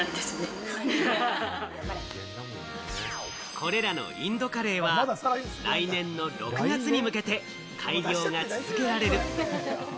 これらのインドカレーは来年の６月に向けて改良が続けられる。